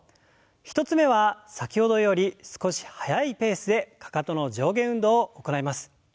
１つ目は先ほどより少し速いペースでかかとの上下運動を行います。